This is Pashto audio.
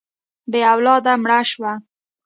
بې اولاده مړه شوه.